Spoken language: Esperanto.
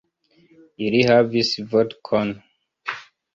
Ili havis vodkon.